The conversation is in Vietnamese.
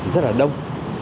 rất là đông